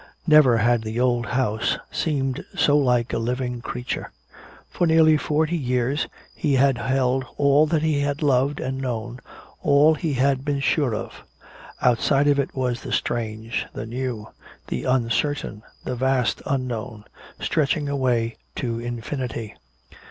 Never had the old house seemed so like a living creature. For nearly forty years it had held all that he had loved and known, all he had been sure of. Outside of it was the strange, the new, the uncertain, the vast unknown, stretching away to infinity....